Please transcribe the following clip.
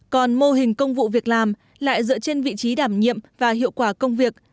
còn mô hình công vụ việc làm lại dựa trên vị trí đảm nhiệm và hiệu quả công việc